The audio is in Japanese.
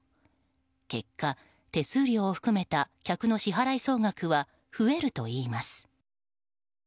結果、手数料を含めた客の支払総額は増えるといいます。